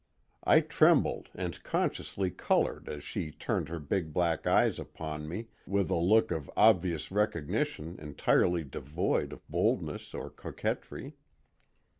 I trembled and consciously colored as she turned her big black eyes upon me with a look of obvious recognition entirely devoid of boldness or coquetry.